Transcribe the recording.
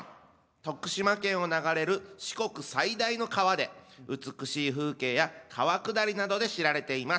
徳島県を流れる四国最大の川で美しい風景や川下りなどで知られています。